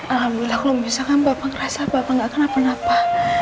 alhamdulillah kalau misalkan bapak ngerasa apa apa gak akan apa apa